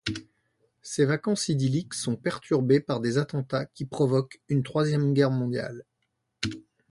Ces vacances idylliques sont perturbées par des attentats qui provoquent une Troisième Guerre mondiale.